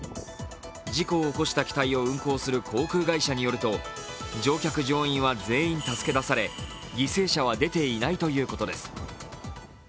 事故を起こした機体を運航する航空会社によると、乗客・乗員は全員助け出され犠牲者は出ていないということです。